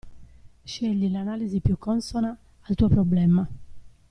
Scegli l'analisi più consona al tuo problema.